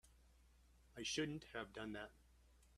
I shouldn't have done that.